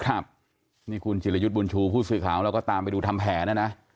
ครับนี่คุณจิรยุทธ์บุญชูผู้สื่อข่าวเราก็ตามไปดูทำแผนนะนะ